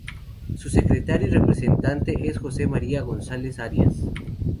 Su secretario y representante es Jose María González Arias.